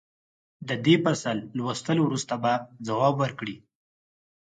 د دې فصل لوستلو وروسته به ځواب ورکړئ.